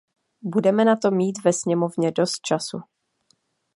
Budeme na to mít ve sněmovně dost času.